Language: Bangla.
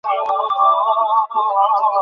হ্যাঁ, ওসব আসলেই হচ্ছে।